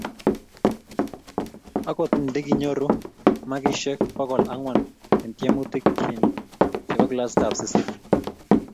okot ntikinyoru makishek bokal angwan en tiemutik chin chebo klasit ab sisit